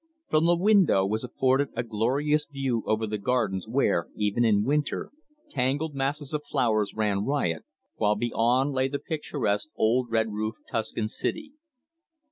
From the window was afforded a glorious view over the gardens where, even in winter, tangled masses of flowers ran riot, while beyond lay the picturesque old red roofed Tuscan city.